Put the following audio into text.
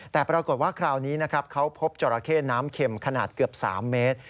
แต่ปรากฏว่าคราวนี้นะครับเขาพบจราเข้น้ำเข็มขนาดเกือบ๓เมตร